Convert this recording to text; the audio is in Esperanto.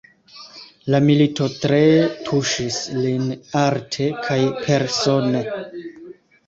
La milito tre tuŝis lin, arte kaj persone.